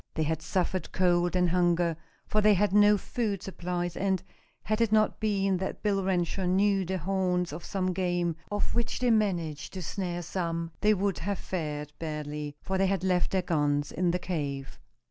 They had suffered cold and hunger, for they had no food supplies, and, had it not been that Bill Renshaw knew the haunts of some game, of which they managed to snare some, they would have fared badly, for they had left their guns in the cave.